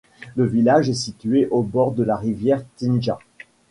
Le village est situé au bord de la rivière Tinja.